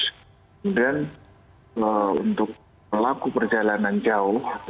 kemudian untuk pelaku perjalanan jauh